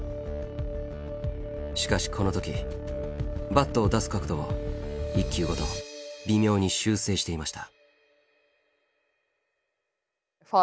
しかしこの時バットを出す角度を一球ごと微妙に修正していました。